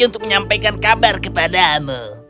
untuk menyampaikan kabar kepadamu